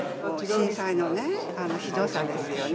震災のね、ひどさですよね。